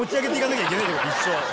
一生。